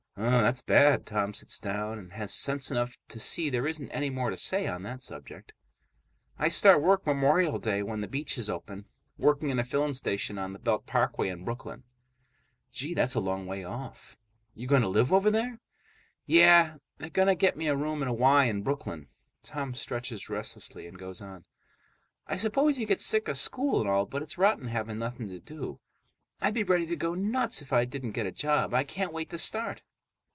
"Um, that's bad." Tom sits down and has sense enough to see there isn't anymore to say on that subject. "I start work Memorial Day, when the beaches open. Working in a filling station on the Belt Parkway in Brooklyn." "Gee, that's a long way off. You going to live over there?" "Yeah, they're going to get me a room in a Y in Brooklyn." Tom stretches restlessly and goes on: "I suppose you get sick of school and all, but it's rotten having nothing to do. I'd be ready to go nuts if I didn't get a job. I can't wait to start."